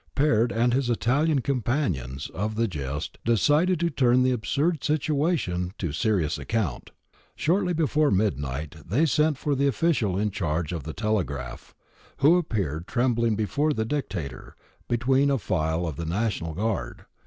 Peard and his Italian companions of the jest decided to turn the absurd situation to serious account. Shortly before midnight they sent for the official in charge of the telegraph, who appeared trembling before the * Dic tator ' between a file of the iNational Guard.